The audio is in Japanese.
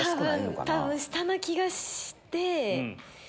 多分下な気がして。